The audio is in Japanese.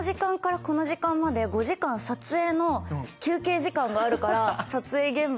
この時間から５時間撮影の休憩時間があるから。